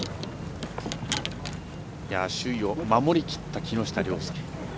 首位を守りきった木下稜介。